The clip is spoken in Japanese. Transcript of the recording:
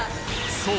そう！